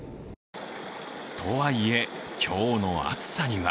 とはいえ、今日の暑さには